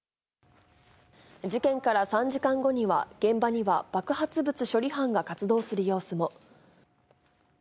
事件から３時間後には、現場には爆発物処理班が活動する様子も。